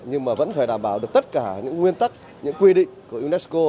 nhưng mà vẫn phải đảm bảo được tất cả những nguyên tắc những quy định của unesco